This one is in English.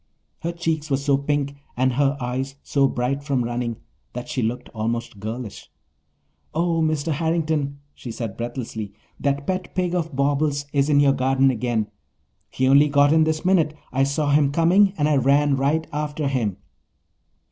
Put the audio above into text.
Her cheeks were so pink and her eyes so bright from running that she looked almost girlish. "Oh, Mr. Harrington," she said breathlessly, "that pet pig of Bobbles' is in your garden again. He only got in this minute. I saw him coming and I ran right after him."